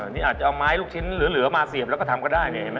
นี่อาจจะเอาไม้ลูกชิ้นเหลือมาเสียบแล้วก็ทำก็ได้เนี่ยเห็นไหม